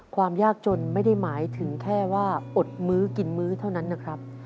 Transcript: ความยากจนไม่ได้หมายถึงแค่ว่าอดมื้อกินมื้อเท่านั้นนะครับ